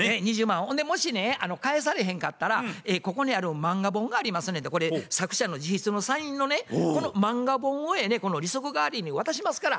ほんでもしね返されへんかったらここにある漫画本がありますねんてこれ作者の自筆のサインのねこの漫画本をやね利息代わりに渡しますから。